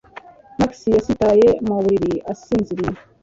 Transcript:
Max yasitaye mu buriri asinziriye